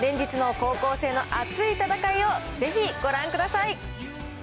連日の高校生の熱い戦いをぜひご覧ください。